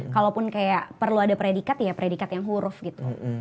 kalaupun kayak perlu ada predikat ya predikat yang huruf gitu